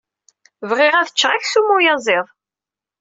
Bɣiɣ ad cceɣ aksum n uyaziḍ.